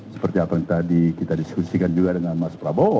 seperti apa yang tadi kita diskusikan juga dengan mas prabowo